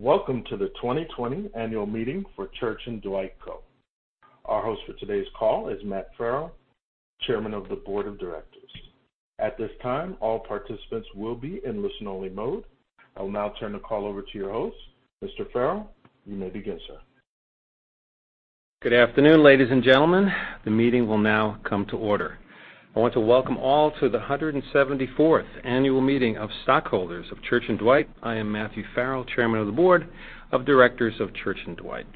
Welcome to the 2020 Annual Meeting for Church & Dwight Co. Our host for today's call is Matt Farrell, Chairman of the Board of Directors. At this time, all participants will be in listen-only mode. I will now turn the call over to your host, Mr. Farrell. You may begin, sir. Good afternoon, ladies and gentlemen. The meeting will now come to order. I want to welcome all to the 174th Annual Meeting of Stockholders of Church & Dwight. I am Matthew Farrell, Chairman of the Board of Directors of Church & Dwight.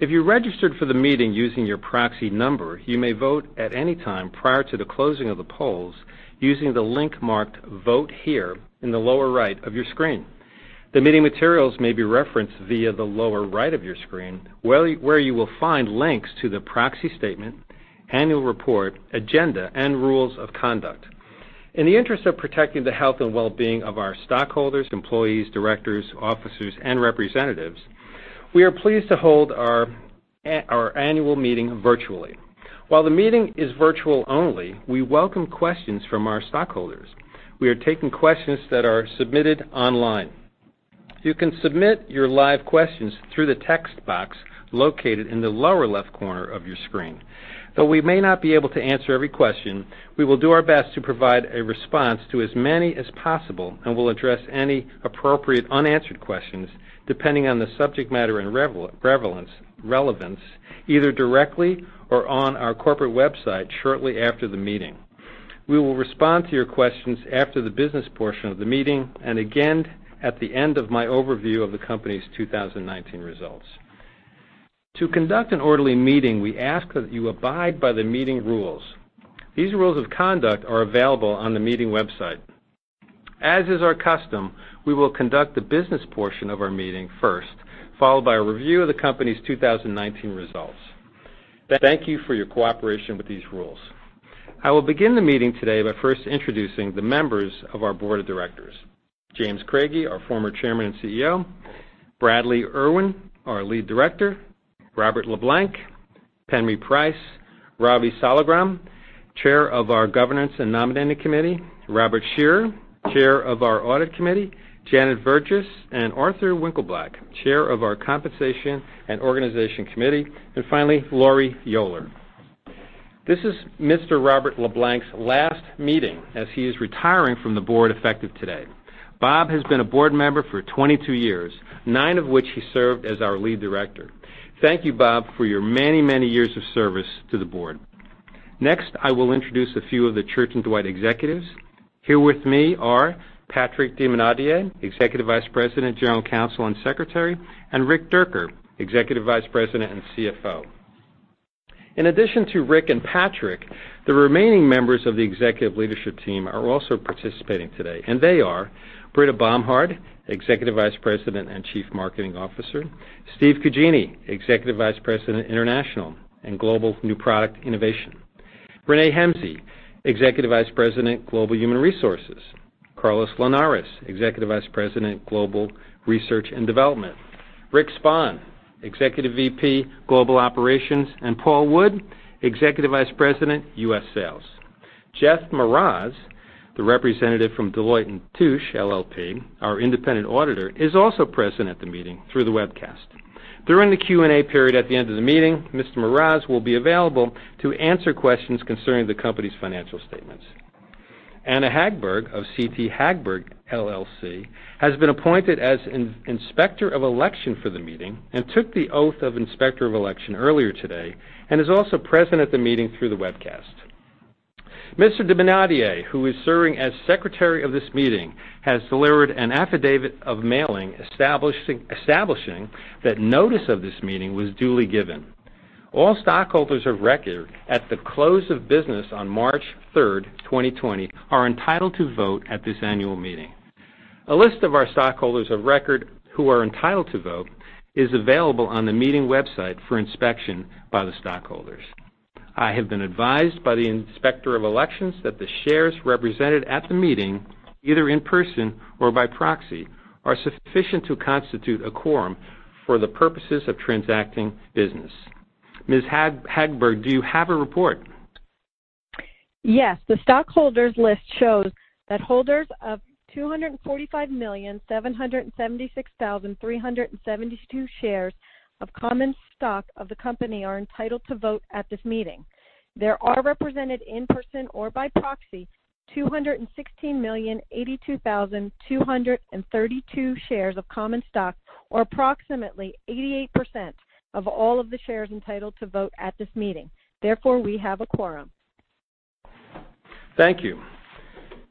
If you registered for the meeting using your proxy number, you may vote at any time prior to the closing of the polls using the link marked "Vote Here" in the lower right of your screen. The meeting materials may be referenced via the lower right of your screen, where you will find links to the proxy statement, annual report, agenda, and rules of conduct. In the interest of protecting the health and well-being of our stockholders, employees, directors, officers, and representatives, we are pleased to hold our annual meeting virtually. While the meeting is virtual only, we welcome questions from our stockholders. We are taking questions that are submitted online. You can submit your live questions through the text box located in the lower left corner of your screen. Though we may not be able to answer every question, we will do our best to provide a response to as many as possible and will address any appropriate unanswered questions depending on the subject matter and relevance, either directly or on our corporate website shortly after the meeting. We will respond to your questions after the business portion of the meeting and again at the end of my overview of the company's 2019 results. To conduct an orderly meeting, we ask that you abide by the meeting rules. These rules of conduct are available on the meeting website. As is our custom, we will conduct the business portion of our meeting first, followed by a review of the company's 2019 results. Thank you for your cooperation with these rules. I will begin the meeting today by first introducing the members of our Board of Directors: James Craigie, our former Chairman and CEO; Bradley Irwin, our lead director; Robert LeBlanc; Penry Price; Ravichandra Saligram, Chair of our Governance and Nominating Committee; Robert Shearer, Chair of our Audit Committee; Janet S. Vergis; and Arthur B. Winkelblack, Chair of our Compensation and Organization Committee; and finally, Laurie J. Yoler. This is Mr. Robert D. LeBlanc's last meeting as he is retiring from the board effective today. Bob has been a board member for 22 years, nine of which he served as our lead director. Thank you, Bob, for your many, many years of service to the board. Next, I will introduce a few of the Church & Dwight executives. Here with me are Patrick D. Maynadier, Executive Vice President, General Counsel and Secretary, and Richard A. Dierker, Executive Vice President and CFO. In addition to Rick and Patrick, the remaining members of the executive leadership team are also participating today, and they are: Britta Bomhard, Executive Vice President and Chief Marketing Officer; Steve Cugine, Executive Vice President, International and Global New Product Innovation; René M. Hemsley, Executive Vice President, Global Human Resources; Carlos Linares, Executive Vice President, Global Research and Development; Rick Spann, Executive Vice President, Global Operations; and Paul Wood, Executive Vice President, U.S. Sales. Jeff Mark, the representative from Deloitte & Touche LLP, our independent auditor, is also present at the meeting through the webcast. During the Q&A period at the end of the meeting, Mr. Mark will be available to answer questions concerning the company's financial statements. Anna Hagberg of CT Hagberg, LLC, has been appointed as Inspector of Election for the meeting and took the oath of Inspector of Election earlier today and is also present at the meeting through the webcast. Mr. Diamantis, who is serving as Secretary of this meeting, has delivered an affidavit of mailing establishing that notice of this meeting was duly given. All stockholders of record at the close of business on March 3rd, 2020, are entitled to vote at this annual meeting. A list of our stockholders of record who are entitled to vote is available on the meeting website for inspection by the stockholders. I have been advised by the Inspector of Election that the shares represented at the meeting, either in person or by proxy, are sufficient to constitute a quorum for the purposes of transacting business. Ms. Hagberg, do you have a report? Yes. The stockholders' list shows that holders of 245,776,372 shares of common stock of the company are entitled to vote at this meeting. There are represented in person or by proxy 216,082,232 shares of common stock, or approximately 88% of all of the shares entitled to vote at this meeting. Therefore, we have a quorum. Thank you.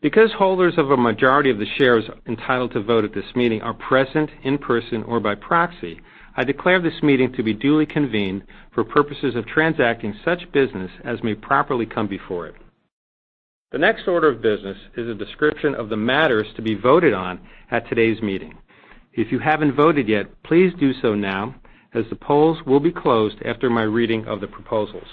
Because holders of a majority of the shares entitled to vote at this meeting are present in person or by proxy, I declare this meeting to be duly convened for purposes of transacting such business as may properly come before it. The next order of business is a description of the matters to be voted on at today's meeting. If you haven't voted yet, please do so now as the polls will be closed after my reading of the proposals.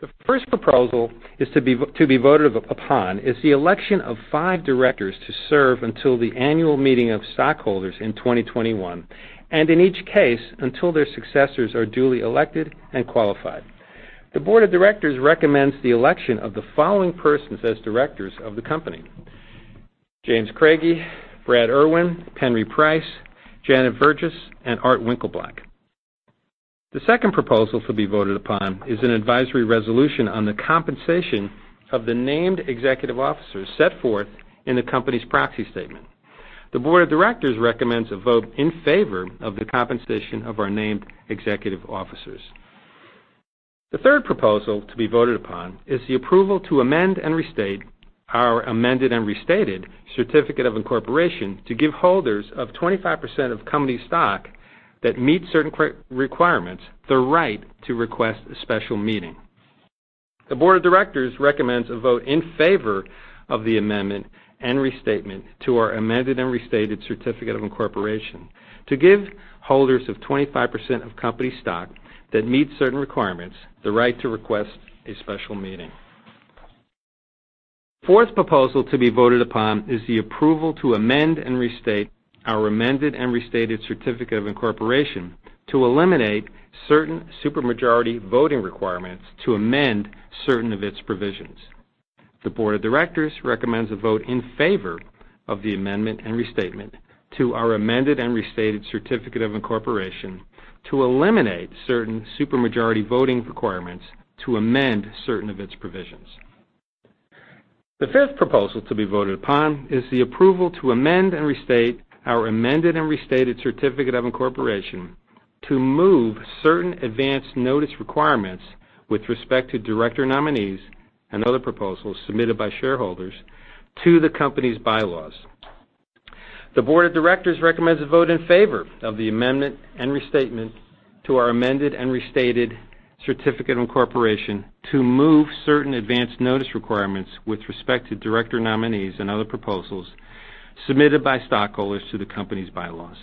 The first proposal to be voted upon is the election of five directors to serve until the annual meeting of stockholders in 2021, and in each case until their successors are duly elected and qualified. The Board of Directors recommends the election of the following persons as directors of the company: James E. Craigie, Bradley C. Irwin, Penry Price, Janet S. Burgess, and Arthur B. Winkelblack. The second proposal to be voted upon is an advisory resolution on the compensation of the named executive officers set forth in the company's proxy statement. The Board of Directors recommends a vote in favor of the compensation of our named executive officers. The third proposal to be voted upon is the approval to amend and restate our Amended and Restated Certificate of Incorporation to give holders of 25% of company stock that meet certain requirements the right to request a special meeting. The Board of Directors recommends a vote in favor of the amendment and restatement to our Amended and Restated Certificate of Incorporation to give holders of 25% of company stock that meet certain requirements the right to request a special meeting. The fourth proposal to be voted upon is the approval to amend and restate our Amended and Restated Certificate of Incorporation to eliminate certain supermajority voting requirements to amend certain of its provisions. The Board of Directors recommends a vote in favor of the amendment and restatement to our Amended and Restated Certificate of Incorporation to eliminate certain supermajority voting requirements to amend certain of its provisions. The fifth proposal to be voted upon is the approval to amend and restate our Amended and Restated Certificate of Incorporation to move certain advance notice requirements with respect to director nominees and other proposals submitted by shareholders to the company's bylaws. The Board of Directors recommends a vote in favor of the amendment and restatement to our Amended and Restated Certificate of Incorporation to move certain advance notice requirements with respect to director nominees and other proposals submitted by stockholders to the company's bylaws.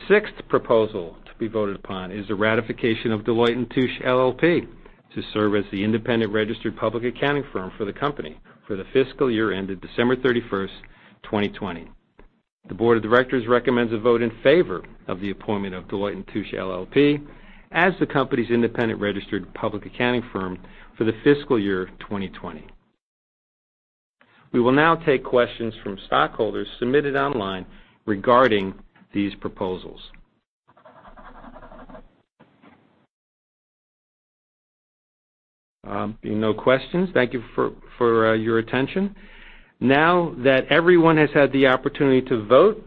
The sixth proposal to be voted upon is the ratification of Deloitte & Touche LLP to serve as the independent registered public accounting firm for the company for the fiscal year ended December 31st, 2020. The Board of Directors recommends a vote in favor of the appointment of Deloitte & Touche LLP as the company's independent registered public accounting firm for the fiscal year 2020. We will now take questions from stockholders submitted online regarding these proposals. Being no questions, thank you for your attention. Now that everyone has had the opportunity to vote,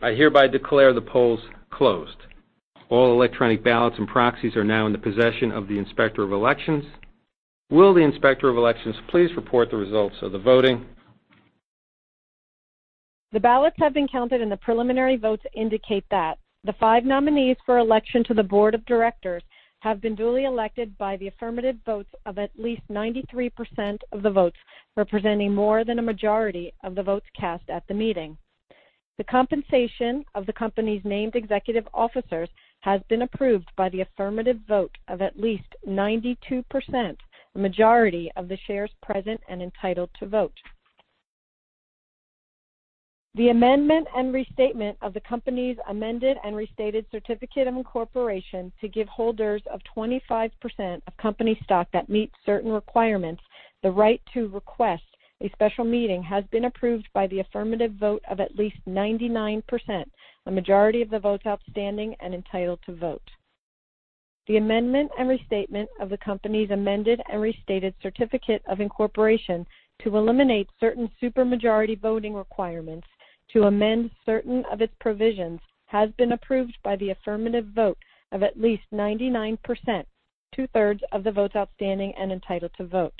I hereby declare the polls closed. All electronic ballots and proxies are now in the possession of the Inspector of Election. Will the Inspector of Election please report the results of the voting? The ballots have been counted, and the preliminary votes indicate that the five nominees for election to the Board of Directors have been duly elected by the affirmative votes of at least 93% of the votes, representing more than a majority of the votes cast at the meeting. The compensation of the company's named executive officers has been approved by the affirmative vote of at least 92%, a majority of the shares present and entitled to vote. The amendment and restatement of the company's Amended and Restated Certificate of Incorporation to give holders of 25% of company stock that meet certain requirements the right to request a special meeting has been approved by the affirmative vote of at least 99%, a majority of the votes outstanding and entitled to vote. The amendment and restatement of the company's Amended and Restated Certificate of Incorporation to eliminate certain supermajority voting requirements to amend certain of its provisions has been approved by the affirmative vote of at least 99%, two-thirds of the votes outstanding and entitled to vote.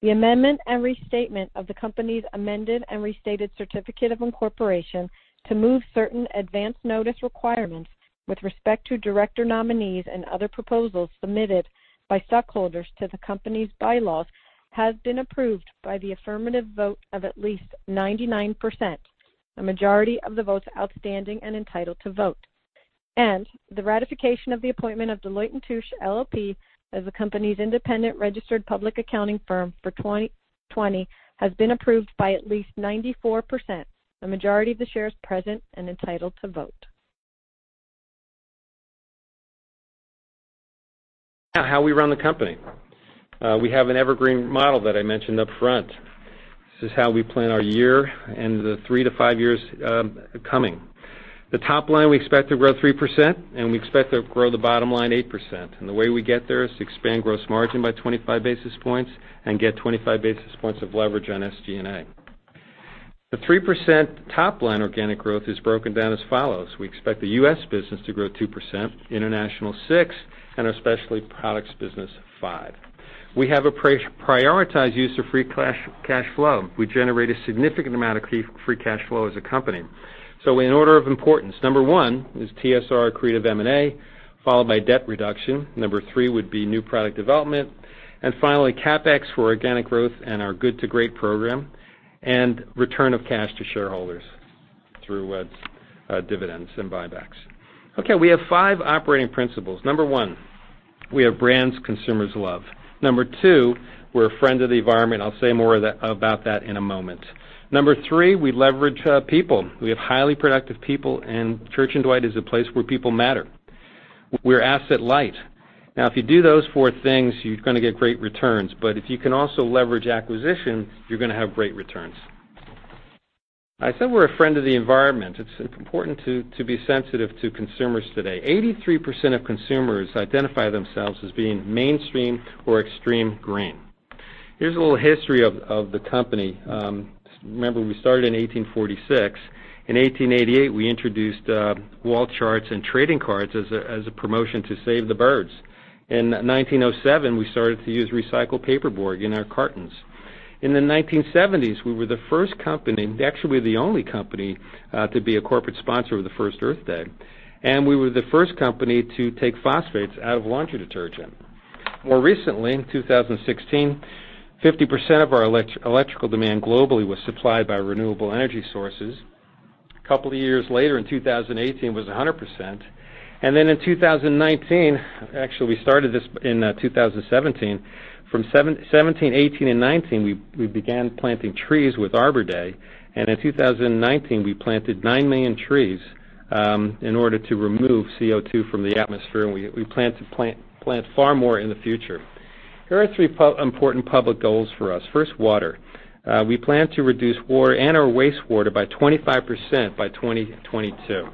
The amendment and restatement of the company's Amended and Restated Certificate of Incorporation to move certain advance notice requirements with respect to director nominees and other proposals submitted by stockholders to the company's bylaws has been approved by the affirmative vote of at least 99%, a majority of the votes outstanding and entitled to vote. The ratification of the appointment of Deloitte & Touche LLP as the company's independent registered public accounting firm for 2020 has been approved by at least 94%, a majority of the shares present and entitled to vote. How we run the company. We have an evergreen model that I mentioned up front. This is how we plan our year and the three to five years coming. The top line we expect to grow 3%, and we expect to grow the bottom line 8%. The way we get there is to expand gross margin by 25 basis points and get 25 basis points of leverage on SG&A. The 3% top line organic growth is broken down as follows. We expect the U.S. business to grow 2%, international 6%, and our specialty products business 5%. We have a prioritized use of free cash flow. We generate a significant amount of free cash flow as a company. In order of importance, number one is TSR accretive M&A, followed by debt reduction. Number three would be new product development. Finally, CapEx for organic growth and our good-to-great program and return of cash to shareholders through dividends and buybacks. Okay, we have five operating principles. Number one, we have brands consumers love. Number two, we're a friend of the environment. I'll say more about that in a moment. Number three, we leverage people. We have highly productive people, and Church & Dwight is a place where people matter. We're asset light. Now, if you do those four things, you're going to get great returns. If you can also leverage acquisition, you're going to have great returns. I said we're a friend of the environment. It's important to be sensitive to consumers today. 83% of consumers identify themselves as being mainstream or extreme green. Here's a little history of the company. Remember, we started in 1846. In 1888, we introduced wall charts and trading cards as a promotion to save the birds. In 1907, we started to use recycled paperboard in our cartons. In the 1970s, we were the first company, actually the only company to be a corporate sponsor of the first Earth Day. We were the first company to take phosphates out of laundry detergent. More recently, in 2016, 50% of our electrical demand globally was supplied by renewable energy sources. A couple of years later, in 2018, it was 100%. In 2019, actually we started this in 2017. From 2017, 2018, and 2019, we began planting trees with Arbor Day. In 2019, we planted 9 million trees in order to remove CO2 from the atmosphere. We plan to plant far more in the future. Here are three important public goals for us. First, water. We plan to reduce water and/or wastewater by 25% by 2022.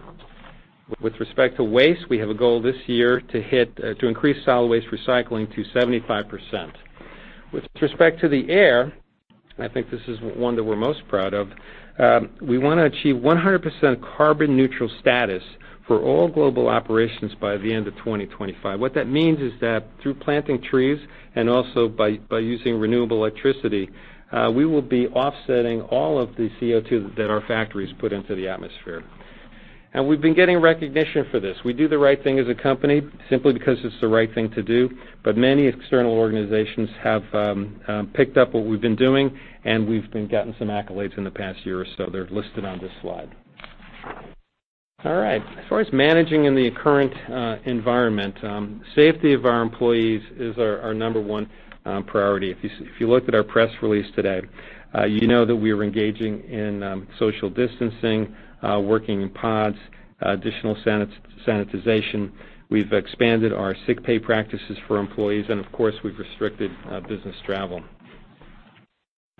With respect to waste, we have a goal this year to increase solid waste recycling to 75%. With respect to the air, I think this is one that we're most proud of. We want to achieve 100% carbon neutral status for all global operations by the end of 2025. What that means is that through planting trees and also by using renewable electricity, we will be offsetting all of the CO2 that our factories put into the atmosphere. We have been getting recognition for this. We do the right thing as a company simply because it's the right thing to do. Many external organizations have picked up what we've been doing, and we've gotten some accolades in the past year or so. They're listed on this slide. All right. As far as managing in the current environment, safety of our employees is our number one priority. If you looked at our press release today, you know that we are engaging in social distancing, working in pods, additional sanitization. We have expanded our sick pay practices for employees, and of course, we have restricted business travel.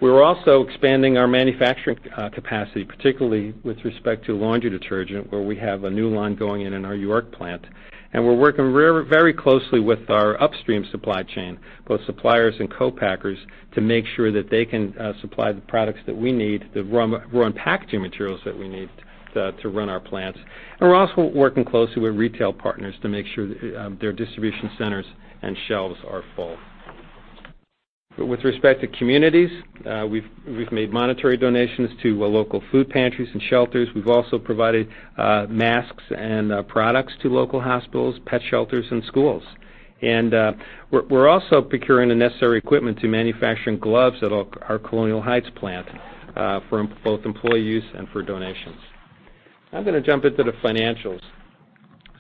We are also expanding our manufacturing capacity, particularly with respect to laundry detergent, where we have a new line going in in our York plant. We are working very closely with our upstream supply chain, both suppliers and co-packers, to make sure that they can supply the products that we need, the raw and packaging materials that we need to run our plants. We are also working closely with retail partners to make sure their distribution centers and shelves are full. With respect to communities, we have made monetary donations to local food pantries and shelters. We've also provided masks and products to local hospitals, pet shelters, and schools. We're also procuring the necessary equipment to manufacture gloves at our Colonial Heights plant for both employee use and for donations. I'm going to jump into the financials.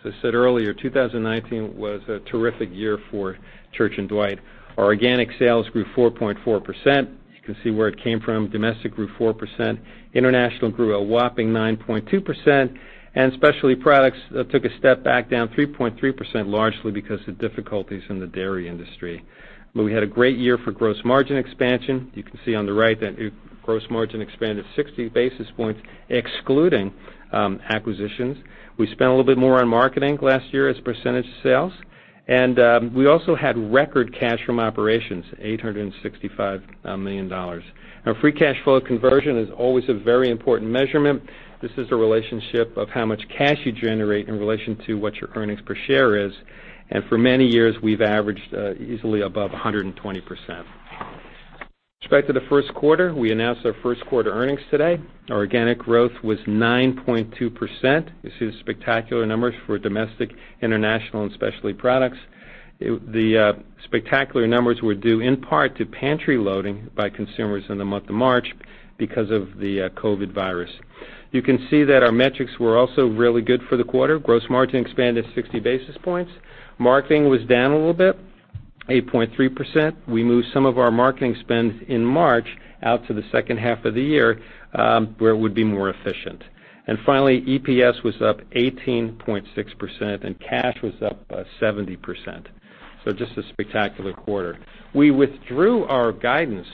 As I said earlier, 2019 was a terrific year for Church & Dwight. Our organic sales grew 4.4%. You can see where it came from. Domestic grew 4%. International grew a whopping 9.2%. Specialty products took a step back, down 3.3%, largely because of difficulties in the dairy industry. We had a great year for gross margin expansion. You can see on the right that gross margin expanded 60 basis points, excluding acquisitions. We spent a little bit more on marketing last year as a percentage of sales. We also had record cash from operations, $865 million. Our free cash flow conversion is always a very important measurement. This is a relationship of how much cash you generate in relation to what your earnings per share is. For many years, we've averaged easily above 120%. With respect to the first quarter, we announced our first quarter earnings today. Our organic growth was 9.2%. You see the spectacular numbers for domestic, international, and specialty products. The spectacular numbers were due in part to pantry loading by consumers in the month of March because of the COVID virus. You can see that our metrics were also really good for the quarter. Gross margin expanded 60 basis points. Marketing was down a little bit, 8.3%. We moved some of our marketing spend in March out to the second half of the year where it would be more efficient. Finally, EPS was up 18.6%, and cash was up 70%. Just a spectacular quarter. We withdrew our guidance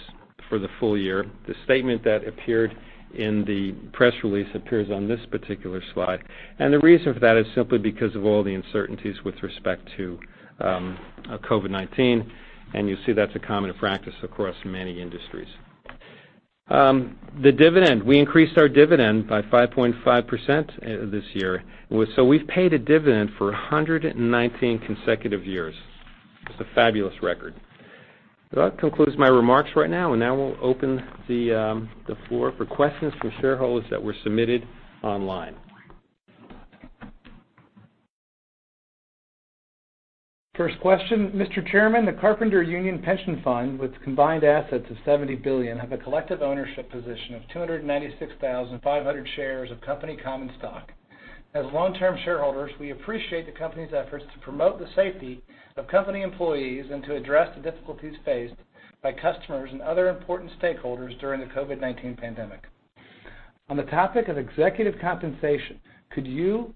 for the full year. The statement that appeared in the press release appears on this particular slide. The reason for that is simply because of all the uncertainties with respect to COVID-19. You'll see that's a common practice across many industries. The dividend. We increased our dividend by 5.5% this year. We've paid a dividend for 119 consecutive years. It's a fabulous record. That concludes my remarks right now. Now we'll open the floor for questions from shareholders that were submitted online. First question, Mr. Chairman, the Carpenters Union Pension Fund with combined assets of $70 billion has a collective ownership position of 296,500 shares of company common stock. As long-term shareholders, we appreciate the company's efforts to promote the safety of company employees and to address the difficulties faced by customers and other important stakeholders during the COVID-19 pandemic. On the topic of executive compensation, could you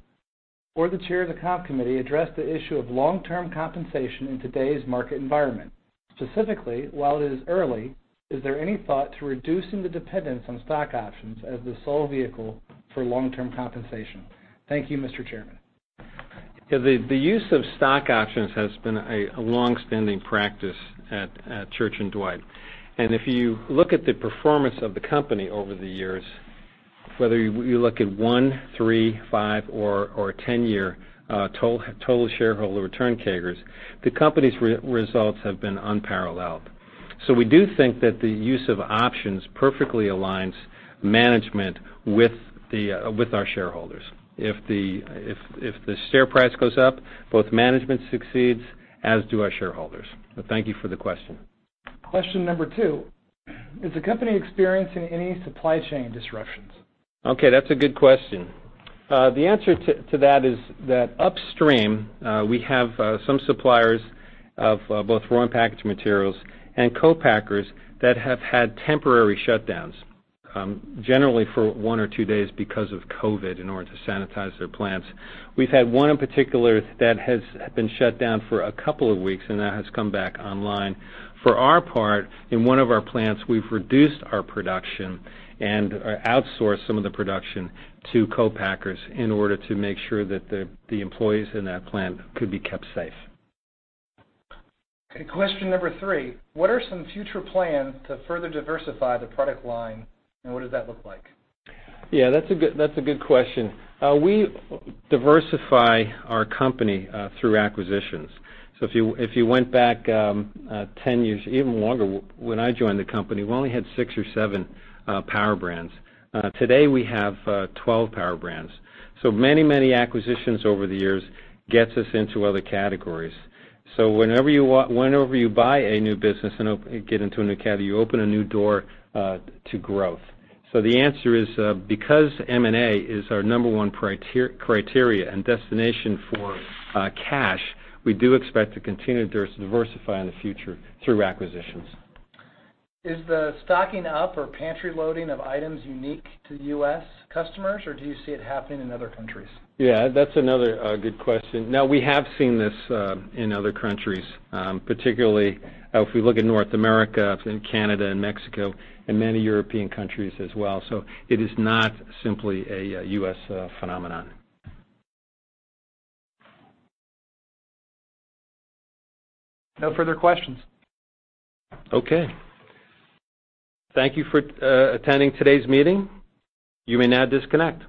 or the Chair of the Comp Committee address the issue of long-term compensation in today's market environment? Specifically, while it is early, is there any thought to reducing the dependence on stock options as the sole vehicle for long-term compensation? Thank you, Mr. Chairman. The use of stock options has been a long-standing practice at Church & Dwight. If you look at the performance of the company over the years, whether you look at one, three, five, or a 10-year total shareholder return CAGR, the company's results have been unparalleled. We do think that the use of options perfectly aligns management with our shareholders. If the share price goes up, both management succeeds, as do our shareholders. Thank you for the question. Question number two, is the company experiencing any supply chain disruptions? Okay, that's a good question. The answer to that is that upstream, we have some suppliers of both raw and packaged materials and co-packers that have had temporary shutdowns, generally for one or two days because of COVID in order to sanitize their plants. We've had one in particular that has been shut down for a couple of weeks, and that has come back online. For our part, in one of our plants, we've reduced our production and outsourced some of the production to co-packers in order to make sure that the employees in that plant could be kept safe. Question number three, what are some future plans to further diversify the product line? What does that look like? Yeah, that's a good question. We diversify our company through acquisitions. If you went back 10 years, even longer, when I joined the company, we only had six or seven power brands. Today, we have 12 power brands. Many, many acquisitions over the years get us into other categories. Whenever you buy a new business and get into a new category, you open a new door to growth. The answer is, because M&A is our number one criteria and destination for cash, we do expect to continue to diversify in the future through acquisitions. Is the stocking up or pantry loading of items unique to U.S. customers, or do you see it happening in other countries? Yeah, that's another good question. Now, we have seen this in other countries, particularly if we look at North America and Canada and Mexico and many European countries as well. It is not simply a U.S. phenomenon. No further questions. Okay. Thank you for attending today's meeting. You may now disconnect.